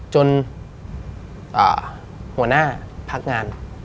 หัวหน้าพักงาน